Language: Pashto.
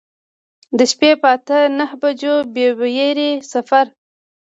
د شپې په اته نهه بجو بې ویرې سفر.